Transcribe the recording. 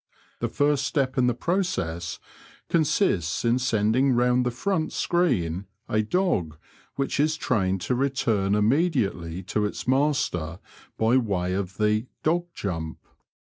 The first step in the process consists in sending round the froDt screen a dog which is trained to return immediately to its master by way of the dog jump."